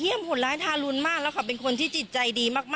หวนเคียมหวนร้ายทารุณมากแล้วค่ะเป็นคนจิตใจดีมาก